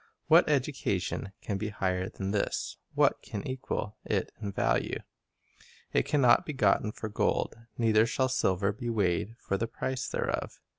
What education can be higher than this? What can equal it in value? "It can not be gotten for gold, Neither shall silver be weighed for the price thereof.